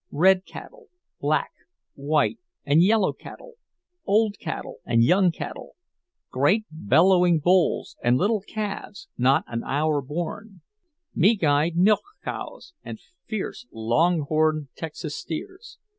Red cattle, black, white, and yellow cattle; old cattle and young cattle; great bellowing bulls and little calves not an hour born; meek eyed milch cows and fierce, long horned Texas steers.